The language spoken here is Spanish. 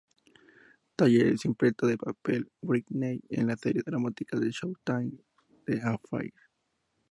Telles interpreta el papel de Whitney en la serie dramática de Showtime "The Affair".